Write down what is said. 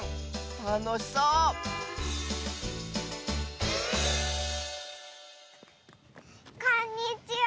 たのしそうこんにちは！